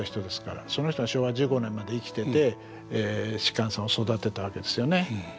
その人が昭和１５年まで生きてて芝さんを育てたわけですよね。